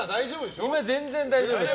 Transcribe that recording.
全然、大丈夫です。